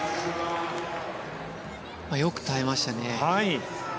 よく耐えましたね。